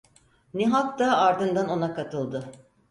Nihat da ardından ona katıldı.